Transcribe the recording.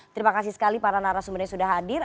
terima kasih sekali para narasumene sudah hadir